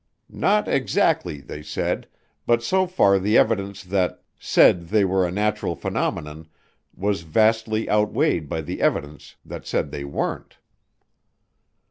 Not exactly, they said, but so far the evidence that said they were a natural phenomenon was vastly outweighed by the evidence that said they weren't.